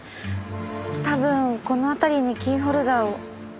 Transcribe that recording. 多分この辺りにキーホルダーを。